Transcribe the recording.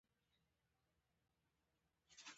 د لیکوال ژبه باید ساده او روانه وي.